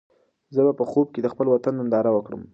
زه به په خوب کې د خپل وطن ننداره وکړم.